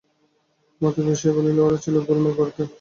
মতি বসিয়া বলিল, ওরা ছিল যে, গোলমাল করত।